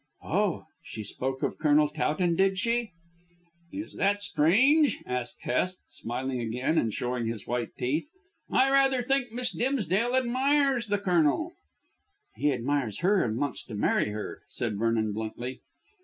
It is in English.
"Oh! She spoke of Colonel Towton, did she?" "Is that strange?" asked Hest, smiling again and showing his white teeth. "I rather think Miss Dimsdale admires the Colonel." "He admires her and wants to marry her," said Vernon bluntly.